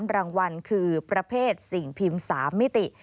รางวัลคือประเภทสิ่งพิมพ์๓มิติ